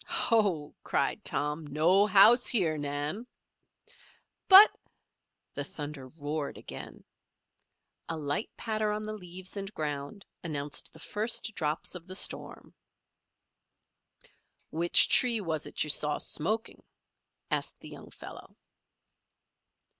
"Ho!" cried Tom. "No house here, Nan." "But " The thunder roared again. A light patter on the leaves and ground announced the first drops of the storm. "Which tree was it you saw smoking?" asked the young fellow.